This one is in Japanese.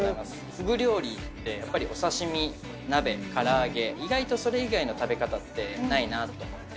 フグ料理って、やっぱりお刺身・鍋・唐揚げ意外とそれ以外の食べ方ってないなと思って。